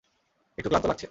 একটু ক্লান্ত লাগছে।